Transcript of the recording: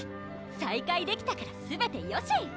再会できたからすべてよし！